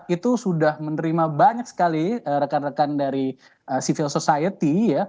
itu sudah menerima banyak sekali rekan rekan dari civil society